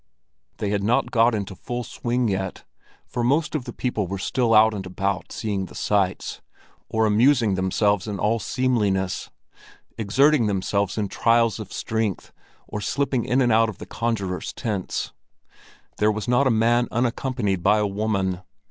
Things had not got into full swing yet, for most of the people were still out and about seeing the sights, or amusing themselves in all seemliness, exerting themselves in trials of strength or slipping in and out of the conjurers' tents. There was not a man unaccompanied by a woman.